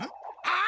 あ！